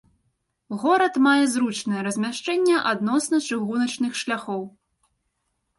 Горад мае зручнае размяшчэнне адносна чыгуначных шляхоў.